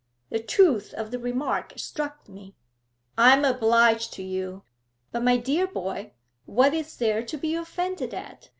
The truth of the remark struck me.' 'I am obliged to you.' 'But, my dear boy, what is there to be offended at?